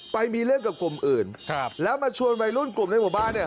ไปมีเรื่องกับกลุ่มอื่นครับแล้วมาชวนวัยรุ่นกลุ่มในหมู่บ้านเนี่ย